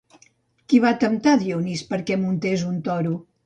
Qui va temptar Dionís perquè muntés un toro?